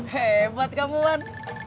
hebat kamu wan